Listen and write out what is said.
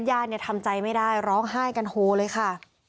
ยาดทำใจไม่ได้ร้องไห้กันโฮล์เลยค่ะ